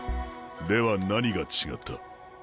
では何が違った？